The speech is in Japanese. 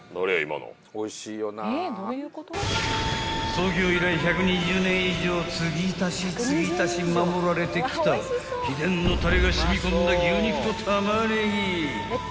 ［創業以来１２０年以上つぎ足しつぎ足し守られてきた秘伝のたれが染み込んだ牛肉とタマネギ］